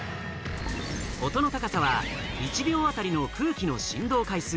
音の高さは、１秒あたりの空気の振動回数。